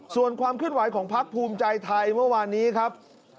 ส่วนความเคลื่อนไหวของพักภูมิใจไทยเมื่อวานนี้ครับ